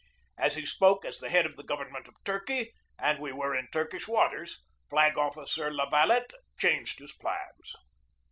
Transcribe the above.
As he spoke as the head of the government of Turkey, and we were in Turkish waters, Flag Officer La Valette changed his plans.